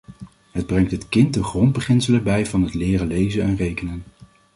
Het brengt het kind de grondbeginselen bij van het leren lezen en rekenen.